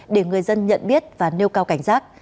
để người dân nhận biết và nêu cao cảnh giác